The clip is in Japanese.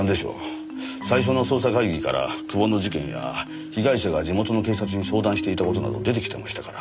最初の捜査会議から久保の事件や被害者が地元の警察に相談していた事など出てきてましたから。